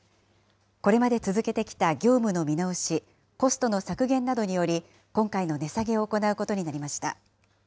これまで続けてきた業務の見直し、コストの削減などにより、今回の値下げを行うことになりました。